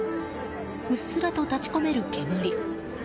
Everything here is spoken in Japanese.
うっすらと立ち込める煙。